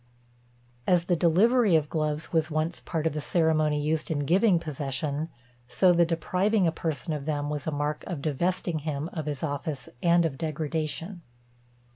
As the delivery of gloves was once a part of the ceremony used in giving possession, so the depriving a person of them was a mark of divesting him of his office, and of degradation.